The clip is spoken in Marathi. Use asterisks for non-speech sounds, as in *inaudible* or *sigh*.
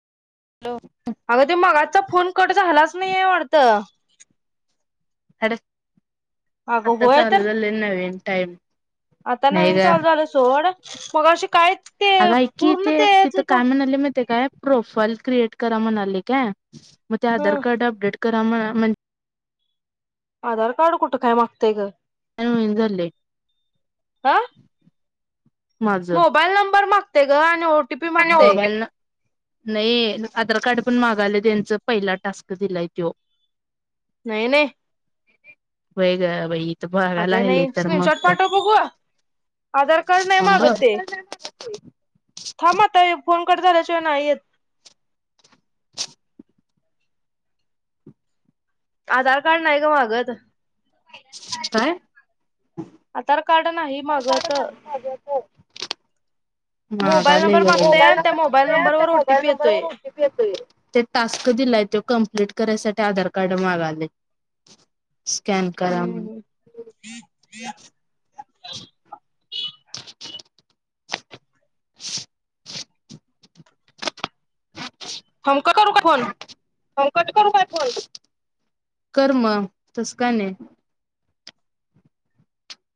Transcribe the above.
हॅलो आगं ते मगाच. तुमचा फोन कट झालाच नाहीये वाटत. *inaudible* अगं आता होय तर चालू झालय नवीन. टाईम आता नवीन चालू झालं सोड. मगाशी काय ते अगा ऐक की पूर्ण ते तेच तिथं काय म्हणाले माहितीए काय प्रोफाईल क्रिएट करा म्हणाले काय. मी ते ह आधार कार्ड अप डेट करा म्हणा म्हण आधार कार्ड कुठं काय मागतेय ग. झालय. हा मोबाईल नंबर माग मागतय ग आणि ओटीपी मागतय. मोबाईल नाही आधार कार्ड पण मागायल त्यांच पहिला टास्क दिलाय तो. नाही नाही. व्हय ग बाई. मागाय अगं नाही लागलेत तर मग स्क्रीनशॉट काय पाठव बघू आधार कार्ड नाही थांब मागत ते हा. थांब आता. फोन कट झाल्याशिवाय नाही येत. *inaudible* आधार कार्ड नाही ग मागत. काय आधार कार्ड नाही मागत. मोबाईल मागायला नंबर ग मागतय मोबाईल आणि त्या नंबर मोबाईल मागत्यात त्या नंबरवर मोबाईल ओटीपी नंबर येतोय वर ओ टी पी येतोय ते टास्क दिलाय त्यो कंप्लीट करायसाठी आधार कार्ड मागाले. स्कॅन करा. *inaudible* *unintelligible* हं कट करू काय फोन कर मग तसं काय नाही.